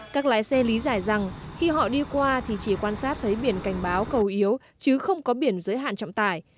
các lái xe lý giải rằng khi họ đi qua thì chỉ quan sát thấy biển cảnh báo cầu yếu chứ không có biển giới hạn trọng tải